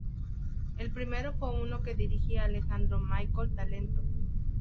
El primero fue uno que dirigía Alejandro Michel Talento.